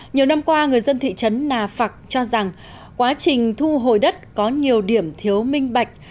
nhiều năm qua người dân thị trấn nà phạc cho rằng quá trình thu hồi đất có nhiều điểm thiếu minh bạch